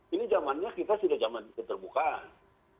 ini zamannya kita sudah zaman keterbukaan